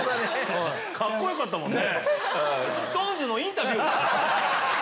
カッコよかったもんね。